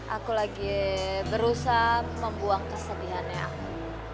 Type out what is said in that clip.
aku lagi berusaha membuang kesedihannya aku